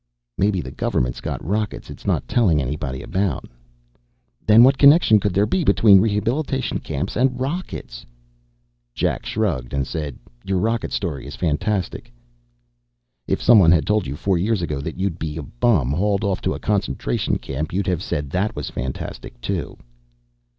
"Maybe the government's got rockets it's not telling anybody about." "Then what connection could there be between rehabilitation camps and rockets?" Jack shrugged and said, "Your rocket story is fantastic." "If somebody had told you four years ago that you'd be a bum hauled off to a concentration camp, you'd have said that was fantastic too."